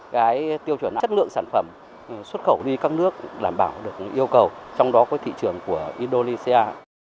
cái tiêu chuẩn chất lượng sản phẩm xuất khẩu đi các nước đảm bảo được yêu cầu trong đó có thị trường của indonesia